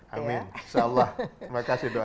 amin insya allah terima kasih doa